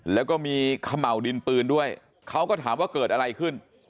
แล้วก็มีเขม่าวดินปืนด้วยเขาก็ถามว่าเกิดอะไรขึ้น